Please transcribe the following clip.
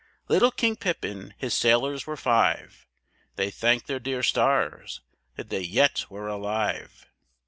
Little King Pippin, his sailors were five; They thanked their dear stars that they yet were alive.